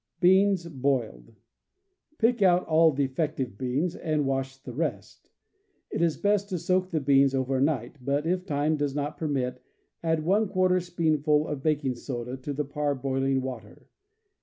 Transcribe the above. Beans, Boiled. — Pick out all defective beans, and wash the rest. It is best to soak the beans over night; but if time does not permit, add J teaspoonful of bak ing soda to the parboiling water.